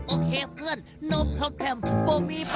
โอเคเพื่อนนมทำแค่มโปมีภาระ